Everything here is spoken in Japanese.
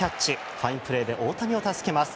ファインプレーで大谷を助けます。